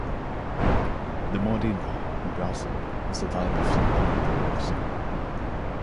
The modinha, in Brazil, is a type of sentimental love song.